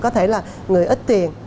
có thể là người ít tiền